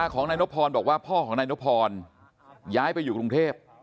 ของนายนพรบอกว่าพ่อของนายนพรย้ายไปอยู่กรุงเทพ